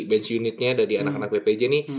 bench unitnya dari anak anak bpj ini